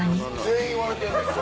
全員割れてんねん。